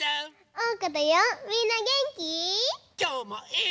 うん。